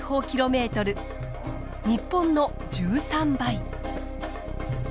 日本の１３倍。